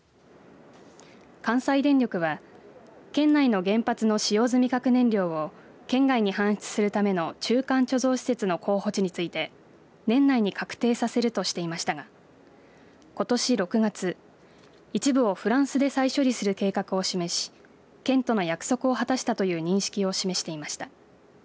関西電力は県内の原発の使用済み核燃料を県外に搬出するための中間貯蔵施設の候補地について年内に確定させるとしていましたがことし６月一部をフランスで再処理する計画を示し県との約束を果たしたという認識を示していました。